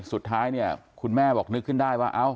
สุดท้ายเนี่ยคุณแม่บอกนึกขึ้นได้ว่า